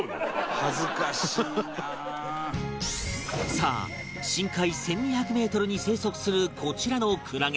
さあ深海１２００メートルに生息するこちらのクラゲ